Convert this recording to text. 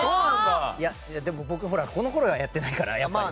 でも、僕このころはやってないから。